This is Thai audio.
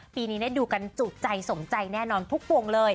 ปีนี้ได้ดูกันจุใจสมใจแน่นอนทุกปวงเลย